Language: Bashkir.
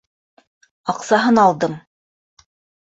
Аҡсаһын алдым...